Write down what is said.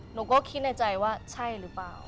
หนูก็คิดในใจว่าใช่หรือเปล่า